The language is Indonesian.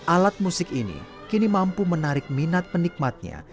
alat musik ini kini mampu menarik minat penikmatnya